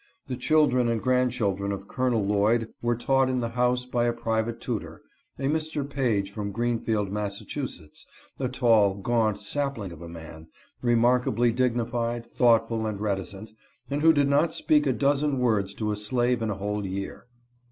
The children and grandchildren of Col. Lloyd were taught in the house by a private tutor (a Mr. Page from Greenfield, Massachusetts, a tall, gaunt sap ling of a man, remarkably dignified, thoughtful, and reti cent, and who did not speak a dozen words to a slave in a whole year).